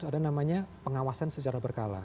ada namanya pengawasan secara berkala